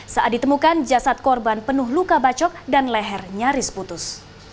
saat ditemukan jasad korban penuh luka bacok dan leher nyaris putus